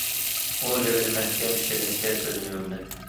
ئۇ لېۋىنى مەھكەم چىشلىگىنىچە كۆزىنى يۇمدى.